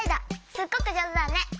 すっごくじょうずだね！